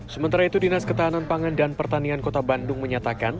sementara itu dinas ketahanan pangan dan pertanian kota bandung menyatakan